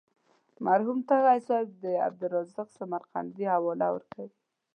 مرحوم تږی صاحب د عبدالرزاق سمرقندي حواله ورکوي.